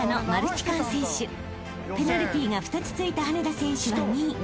［ペナルティーが２つ付いた羽根田選手は２位］